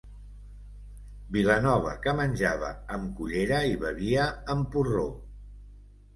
Vilanova que menjava amb cullera i bevia amb porró!